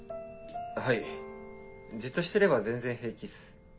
はいじっとしてれば全然平気っす。